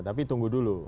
tapi tunggu dulu